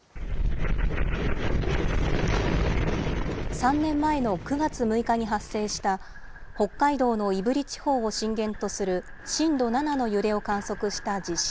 ３年前の９月６日に発生した、北海道の胆振地方を震源とする震度７の揺れを観測した地震。